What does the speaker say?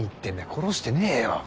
殺してねえよ！